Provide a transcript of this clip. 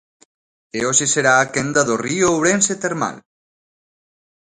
E hoxe será a quenda do Río Ourense termal.